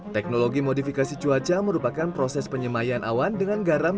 teknologi modifikasi cuaca merupakan proses penyemayan awan dengan garam